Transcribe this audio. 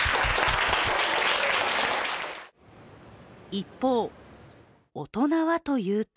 一方、大人はというと